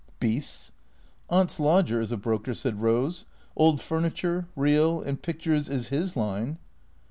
" Beasts !"" Aunt's lodger is a broker," said Eose. " Old furniture — real — and pictures is 'is line."